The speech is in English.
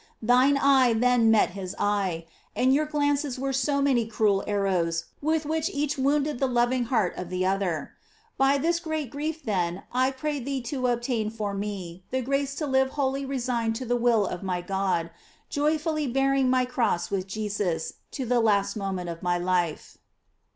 Thine eye then met his eye, and your glances were so many cruel arrows with which each wounded the loving heart of the other. By this great grief, then, I pray thee to obtain for me the grace to live wholly resigned to the will of my God, joyfully bearing my cross with Jesus to the last moment of my life.